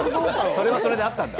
それはそれであったんだ。